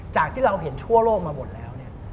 จากที่เราเห็นทั่วโลกมาหมดแล้ว